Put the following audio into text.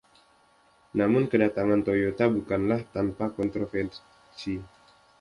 Namun, kedatangan Toyota bukanlah tanpa kontroversi.